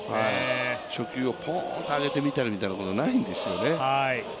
初球をポーンと上げてみたりみたいなことがないんですよね。